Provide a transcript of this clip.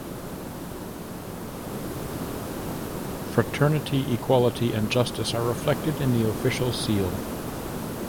Fraternity, equality and justice are reflected in the official seal.